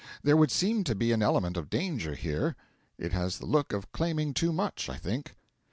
There would seem to be an element of danger here. It has the look of claiming too much, I think.